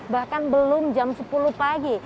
bahkan belum jam sepuluh pagi